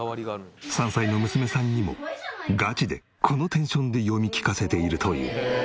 ３歳の娘さんにもガチでこのテンションで読み聞かせているという。